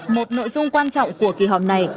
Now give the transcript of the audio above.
một nội dung quan trọng của kỳ họp này